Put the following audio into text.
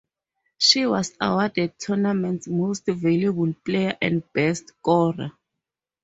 She was awarded tournament's Most Valuable Player and Best Scorer.